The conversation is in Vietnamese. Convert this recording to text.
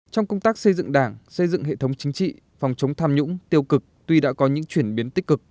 trong công tác xây dựng đảng xây dựng hệ thống chính trị phòng chống tham nhũng tiêu cực tuy đã có những chuyển biến tích cực